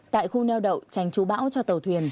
tại khu neo đậu tránh chú bão cho tàu thuyền